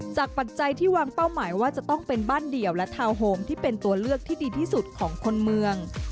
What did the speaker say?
ปัจจัยที่วางเป้าหมายว่าจะต้องเป็นบ้านเดี่ยวและทาวน์โฮมที่เป็นตัวเลือกที่ดีที่สุดของคนเมือง